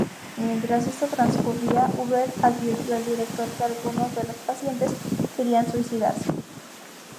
Mientras esta transcurría, Huber advirtió al Director que algunos de los pacientes querían suicidarse.